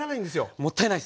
もったいないですね！